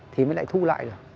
thì mới lại thu lại được